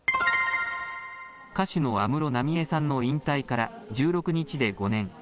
歌手の安室奈美恵さんの引退から１６日で５年。